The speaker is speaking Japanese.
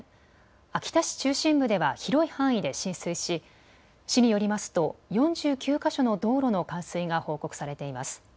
秋田市中心部では広い範囲で浸水し、市によりますと４９か所の道路の冠水が報告されています。